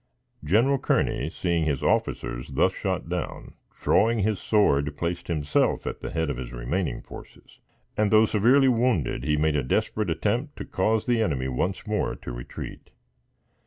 General Kearney, seeing his officers thus shot down, drawing his sword, placed himself at the head of his remaining forces; and, though severely wounded, he made a desperate attempt to cause the enemy, once more, to retreat.